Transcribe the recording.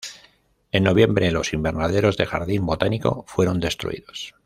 En noviembre, los invernaderos de jardín botánico fueron destruidos.